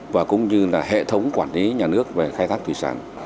và cũng như là hệ thống quản lý nhà nước về khai thác thủy sản